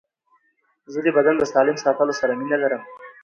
زه د بدن د سالم ساتلو سره مینه لرم.